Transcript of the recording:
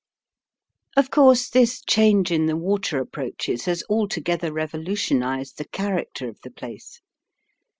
Of course this change in the water approaches has altogether revolutionised the character of the place.